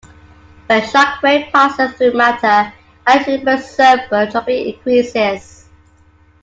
When a shock wave passes through matter, energy is preserved but entropy increases.